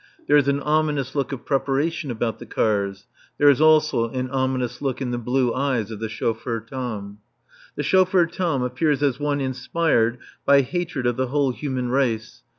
There is an ominous look of preparation about the cars. There is also an ominous light in the blue eyes of the chauffeur Tom. The chauffeur Tom appears as one inspired by hatred of the whole human race.